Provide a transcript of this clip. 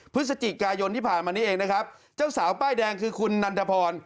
พฤศจิกายนที่ผ่านมานี้เองนะครับเจ้าสาวป้ายแดงคือคุณนันทพร